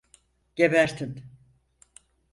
Gebertin!